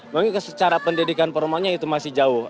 mungkin secara pendidikan formalnya itu masih jauh